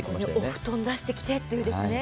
お布団出してきてってね。